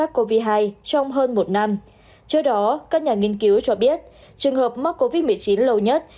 trước đó các nhà nghiên cứu cho biết trường hợp mắc covid một mươi chín lâu nhất